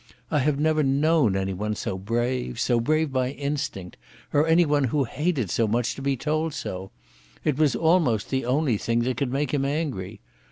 I have never known anyone so brave, so brave by instinct, or anyone who hated so much to be told so. It was almost the only thing that could make him angry.